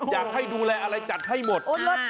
อยากให้ดูแลอะไรจัดให้หมด